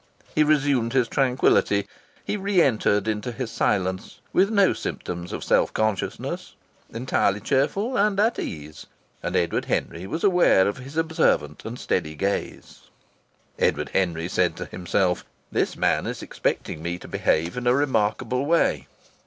He resumed his tranquillity, he re entered into his silence, with no symptom of self consciousness, entirely cheerful and at ease. And Edward Henry was aware of his observant and steady gaze. Edward Henry said to himself: "This man is expecting me to behave in a remarkable way.